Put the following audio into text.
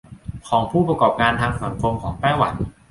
ของผู้ประกอบการทางสังคมของไต้หวัน